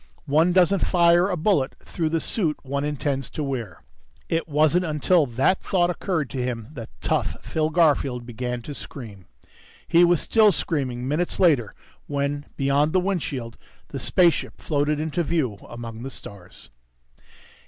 One doesn't fire a bullet through the suit one intends to wear.... It wasn't until that thought occurred to him that tough Phil Garfield began to scream. He was still screaming minutes later when, beyond the windshield, the spaceship floated into view among the stars.